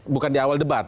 bukan di awal debat